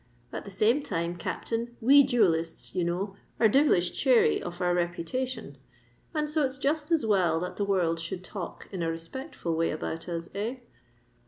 At the same time, Captain, we duellists, you know, are devilish chary of our reputation; and so it's just as well that the world should talk in a respectful way about us—eh?"